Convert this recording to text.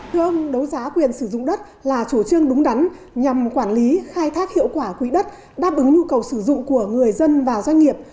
thưa ông đấu giá quyền sử dụng đất là chủ trương đúng đắn nhằm quản lý khai thác hiệu quả quỹ đất đáp ứng nhu cầu sử dụng của người dân và doanh nghiệp